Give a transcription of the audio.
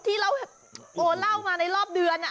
ที่เราเล่ามาในรอบเดือน